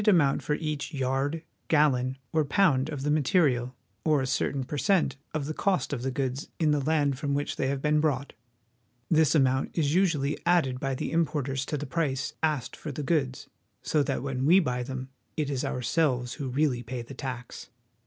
amount for each yard, gallon, or pound of the material, or a certain per cent, of the cost of the goods in the land from which they have been brought: This amount is usually added by the importers to the price asked for the goods, so that when we buy them it is ourselves who really pay the tax.